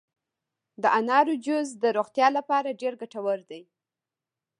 د انارو جوس د روغتیا لپاره ډیر ګټور دي.